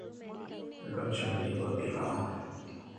weka mchanganyiko wa pilau